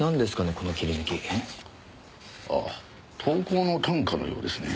ああ投稿の短歌のようですね。